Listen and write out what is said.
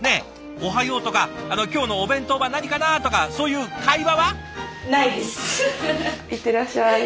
「おはよう」とか「今日のお弁当は何かな？」とかそういう会話は？